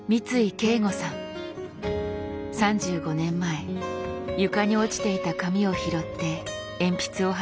３５年前床に落ちていた紙を拾って鉛筆を走らせた人です。